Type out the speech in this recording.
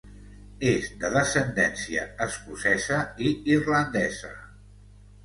És de descendència escocesa i irlandesa.